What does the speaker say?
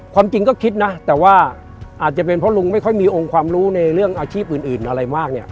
ความจริงก็คิดนะแต่ว่าอาจจะเป็นเพราะลุงไม่ค่อยมีองค์ความรู้ในเรื่องอาชีพอื่นอะไรมากเนี่ย